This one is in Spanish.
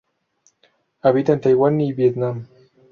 Habita en Taiwán y Vietnam.